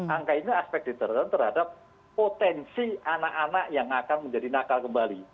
angka ini aspek deterren terhadap potensi anak anak yang akan menjadi nakal kembali